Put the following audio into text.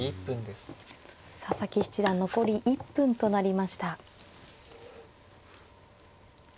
佐々木七段残り１分となりました。